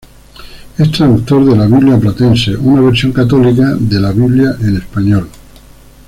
Es traductor de la "Biblia Platense", una versión católica de la Biblia en español.